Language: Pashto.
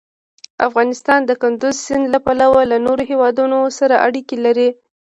افغانستان د کندز سیند له پلوه له نورو هېوادونو سره اړیکې لري.